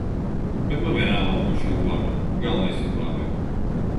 Bet man vienalga, kurš izglābj, galvenais izglābiet.